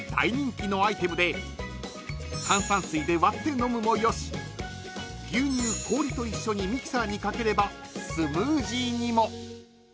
［炭酸水で割って飲むもよし牛乳氷と一緒にミキサーにかければスムージーにも］